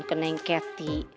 ke neng keti